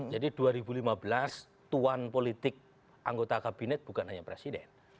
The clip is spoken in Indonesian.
jadi dua ribu lima belas tuan politik anggota kabinet bukan hanya presiden